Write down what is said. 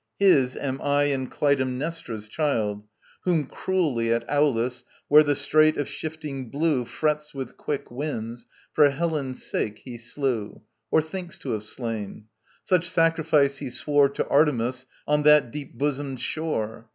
His am I And Clytemnestra's child: whom cruelly At Aulis, where the strait of shifting blue Frets with quick winds, for Helen's sake he slew, Or thinks to have slain; such sacrifice he swore To Artemis on that deep bosomed shore.